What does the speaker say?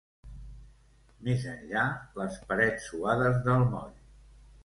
Més enllà, les parets suades del moll